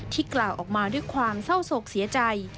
กล่าวออกมาด้วยความเศร้าโศกเสียใจ